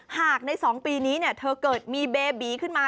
หากใน๒ปีนี้เธอเกิดมีเบบีขึ้นมา